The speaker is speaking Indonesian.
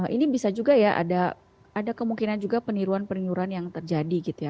ini bisa juga ya ada kemungkinan juga peniruan peniruan yang terjadi gitu ya